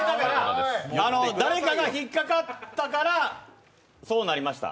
誰かが引っかかったからそうなりました。